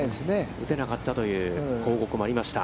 打てなかったという報告もありました。